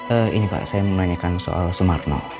ehm ini pak saya mau nanyakan soal sumarno